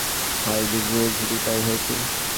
আমরা মহা আনন্দে তার পিছু পিছু হাঁটু ভিজিয়ে ঝিরি পার হয়েছি।